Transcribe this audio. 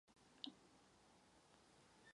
Krátce po premiéře Mozart zemřel.